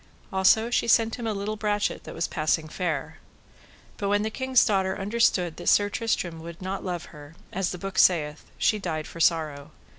Also she sent him a little brachet that was passing fair. But when the king's daughter understood that Sir Tristram would not love her, as the book saith, she died for sorrow.